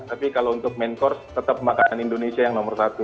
tapi kalau untuk main course tetap makanan indonesia yang nomor satu